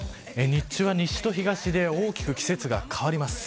日中は、西と東で大きく季節が変わります。